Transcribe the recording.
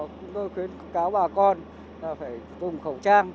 chúng tôi khuyến cáo bà con là phải dùng khẩu trang